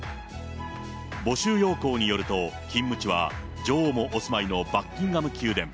募集要項によると、勤務地は女王もお住まいのバッキンガム宮殿。